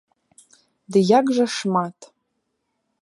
Ды як жа шмат!